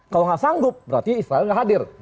kalau gak sanggup berarti israel gak hadir